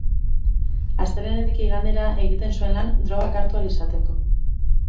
Astelehenetik igandera egiten zuen lan drogak hartu ahal izateko.